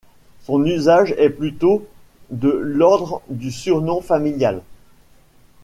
Son usage est plutôt de l'ordre du surnom familial.